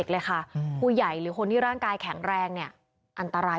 แล้วก็เหลือคุณหญิงสองคนคือป้ากับหลาน